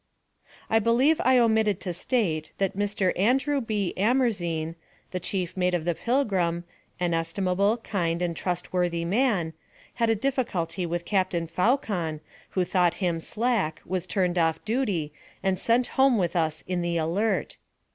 I believe I omitted to state that Mr. Andrew B. Amerzene, the chief mate of the Pilgrim, an estimable, kind, and trustworthy man, had a difficulty with Captain Faucon, who thought him slack, was turned off duty, and sent home with us in the Alert.